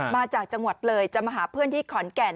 มาจากจังหวัดเลยจะมาหาเพื่อนที่ขอนแก่น